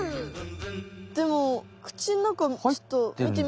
でも口ん中ちょっとみてみ？